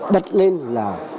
bắt lên là